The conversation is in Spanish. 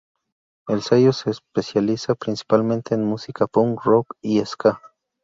El sello se especializa, principalmente en música punk rock y ska.